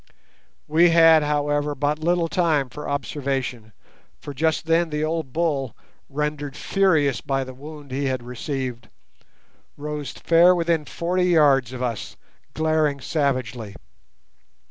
We had, however, but little time for observation, for just then the old bull, rendered furious by the wound he had received, rose fair within forty yards of us, glaring savagely.